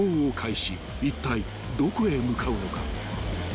［いったいどこへ向かうのか］